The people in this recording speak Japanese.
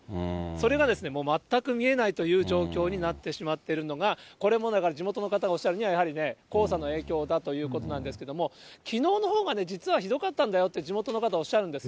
それがですね、もう全く見えないという状況になってしまっているのが、これも地元の方がおっしゃるにはやはりね、黄砂の影響だということなんですけれども、きのうのほうが実はひどかったんだよと、地元の方、おっしゃるんです。